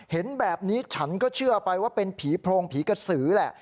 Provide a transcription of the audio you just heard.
เห็นแบบนี้ฉันก็เชื่อไปว่าเป็นผีโพรงผีกระสือแหละ